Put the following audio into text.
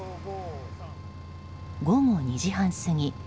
午後２時半過ぎ。